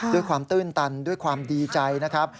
ด้วยความตื่นตันด้วยความดีใจนะครับ